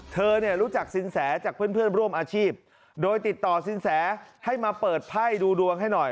เธอเนี่ยรู้จักสินแสจากเพื่อนร่วมอาชีพโดยติดต่อสินแสให้มาเปิดไพ่ดูดวงให้หน่อย